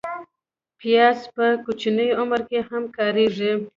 پیاز په کوچني عمر کې هم کارېږي